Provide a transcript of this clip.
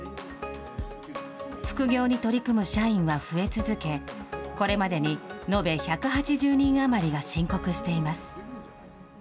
副業に取り組む社員は増え続け、これまでに延べ１８０人余りが申告しています。